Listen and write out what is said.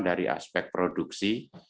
dari aspek produksi